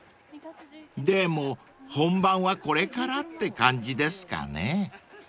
［でも本番はこれからって感じですかね］